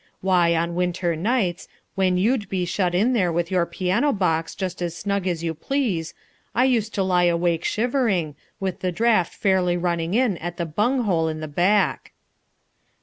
Why, on winter nights, when you'd be shut in there in your piano box just as snug as you please, I used to lie awake shivering, with the draught fairly running in at the bunghole at the back."